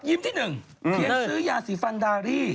ยิ้มที่๑เขียนชื่อยาสีฟันดาวรี่